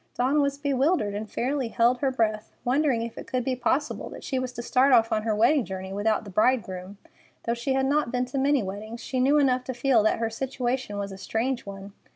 Dawn was bewildered and fairly held her breath, wondering if it could be possible that she was to start off on her wedding journey without the bridegroom. Though, she had not been to many weddings, she knew enough to feel that her situation was a strange one.